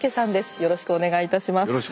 よろしくお願いします。